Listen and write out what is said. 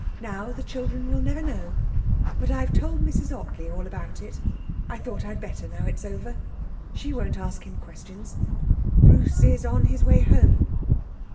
Now the children will never know. But I've told Mrs Ottley all about it. I thought I'd better, now it's over. She won't ask him questions.... Bruce is on his way home.'